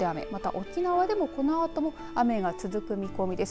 沖縄でもこのあと雨が続く見込みです。